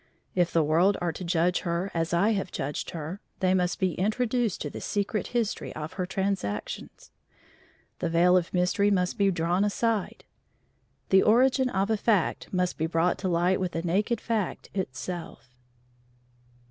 If the world are to judge her as I have judged her, they must be introduced to the secret history of her transactions. The veil of mystery must be drawn aside; the origin of a fact must be brought to light with the naked fact itself.